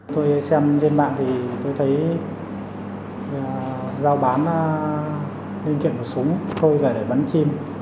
tôi xem trên mạng thì tôi thấy giao bán linh kiện của súng thôi là để bắn chim